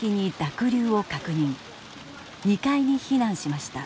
２階に避難しました。